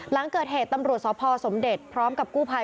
หลังเกิดเหตุตำรวจสพสมเด็จพร้อมกับกู้ภัย